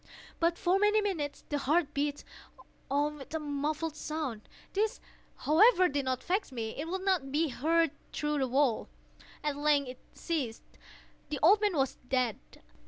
But, for many minutes, the heart beat on with a muffled sound. This, however, did not vex me; it would not be heard through the wall. At length it ceased. The old man was dead.